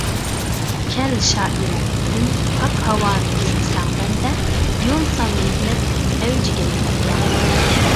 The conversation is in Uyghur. ( «كەل شائىرە» دىن) پاك ھاۋانى ئىزدىسەڭ بەندە، يول سال مېھنەت ئەۋجىگەن يەرگە.